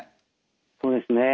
そうですね。